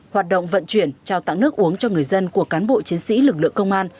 hoạt động vận chuyển trao tặng nước uống cho người dân của cán bộ chiến sĩ lực lượng công an